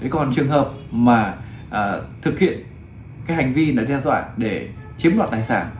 còn trường hợp mà thực hiện cái hành vi đe dọa để chiếm đoạt tài sản